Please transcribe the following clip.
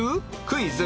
クイズ！